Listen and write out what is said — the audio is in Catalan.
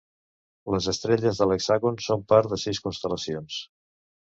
Les estrelles de l'hexàgon són part de sis constel·lacions.